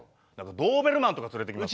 ドーベルマンとか連れていきますよ。